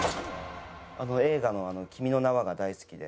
映画の『君の名は。』が大好きで。